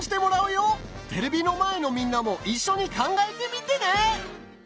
テレビの前のみんなも一緒に考えてみてね！